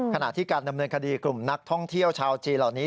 ขณะที่การดำเนินคดีกลุ่มนักท่องเที่ยวชาวจีนเหล่านี้